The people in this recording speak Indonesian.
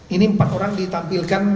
ini empat orang ditampilkan